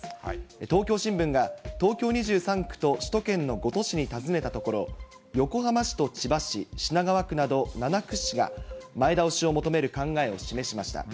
東京新聞が、東京２３区と首都圏の５都市に尋ねたところ、横浜市と千葉市、品川区など７区市が、前倒しを求める考えを示しました。